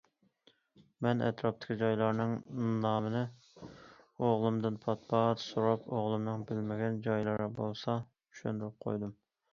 مەن ئەتراپتىكى جايلارنىڭ نامىنى ئوغلۇمدىن پات- پات سوراپ، ئوغلۇمنىڭ بىلمىگەن جايلىرى بولسا چۈشەندۈرۈپ قويدۇم.